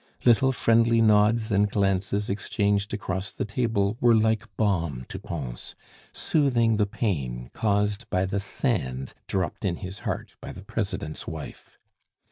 Little friendly nods and glances exchanged across the table were like balm to Pons, soothing the pain caused by the sand dropped in his heart by the President's wife.